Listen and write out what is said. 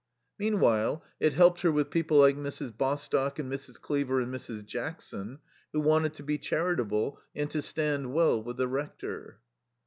Meanwhile it helped her with people like Mrs. Bostock and Mrs. Cleaver and Mrs. Jackson, who wanted to be charitable and to stand well with the Rector.